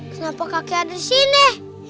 kenapa kakek ada disini